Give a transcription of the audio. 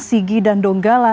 sigi dan donggala